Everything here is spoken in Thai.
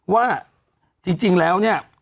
ว่าจริงแล้วเนี่ย